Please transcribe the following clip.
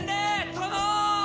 殿！